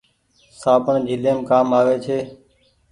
سابڻ جھليم ڪآم آوي ڇي۔